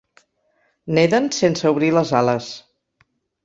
Neden sense obrir les ales.